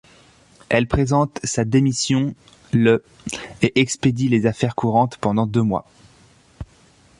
Elle présente sa démission le et expédie les affaires courantes pendant deux mois.